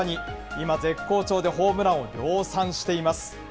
今、絶好調でホームランを量産しています。